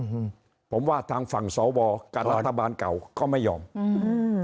อืมผมว่าทางฝั่งสวกับรัฐบาลเก่าก็ไม่ยอมอืม